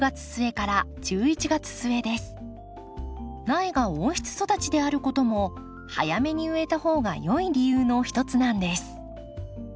苗が温室育ちであることも早めに植えた方がよい理由の一つなんです。